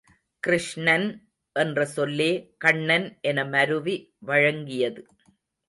கிருஷ்ணன் என்ற சொல்லே கண்ணன் என மருவி வழங்கியது.